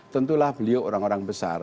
tentulah beliau orang orang besar